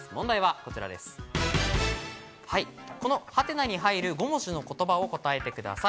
この「？」に入る５文字の言葉を答えてください。